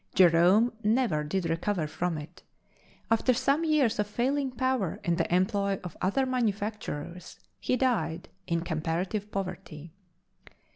Jerome never did recover from it; after some years of failing power in the employ of other manufacturers, he died in comparative poverty.